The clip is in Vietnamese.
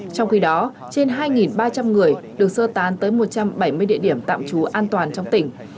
trong khi đó trên hai ba trăm linh người được sơ tán tới một trăm bảy mươi địa điểm tạm trú an toàn trong tỉnh